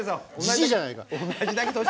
じじいじゃないか！